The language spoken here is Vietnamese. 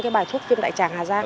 bài thuốc viêm đại tràng hà giang